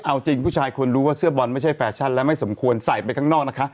เอาจริงผู้ชายควรรู้ว่าเสื้อบอลไม่ใช่แฟชั่นและไม่สมควรใส่ไปข้างนอกนะคะ